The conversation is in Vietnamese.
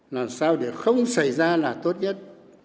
làm sao để không xảy ra là tốt nhất